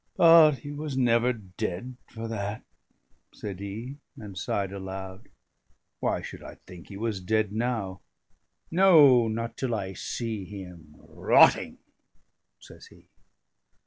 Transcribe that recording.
"But he was never dead for, that," said he, and sighed aloud. "Why should I think he was dead now? No, not till I see him rotting," says he.